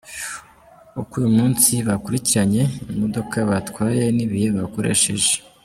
Uko uyu munsi bakurikiranye, imodoka batwaye n’ibihe bakoresheje:.